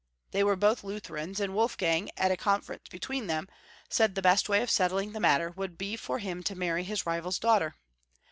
They were both Lutherans, and Wolfgang, at a con ference between them, said the best way of settling the matter would be for him to marry his rival's daughter.